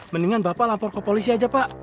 mendingan bapak lapor ke polisi aja pak